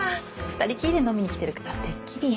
二人きりで飲みに来てるからてっきり。